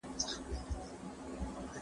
که مقناطیس نهوای، برېښنا به نهوه